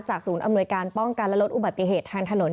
ศูนย์อำนวยการป้องกันและลดอุบัติเหตุทางถนน